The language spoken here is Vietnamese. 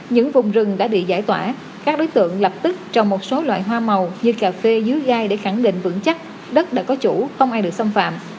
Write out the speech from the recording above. những vùng rừng đã bị giải tỏa các đối tượng lập tức trồng một số loại hoa màu như cà phê dưới gai để khẳng định vững chắc đất đã có chủ không ai được xâm phạm